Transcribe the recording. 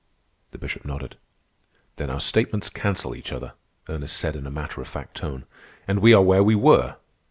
The Bishop nodded. "Then our statements cancel each other," Ernest said in a matter of fact tone, "and we are where we were.